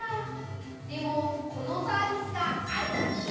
でも、このサービスがあるときぃ